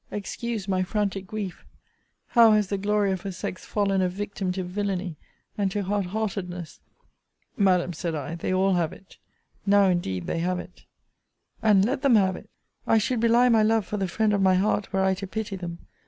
Excuse my frantic grief. How has the glory of her sex fallen a victim to villany and to hard heartedness! Madam, said I, they all have it! Now indeed they have it And let them have it; I should belie my love for the friend of my heart, were I to pity them!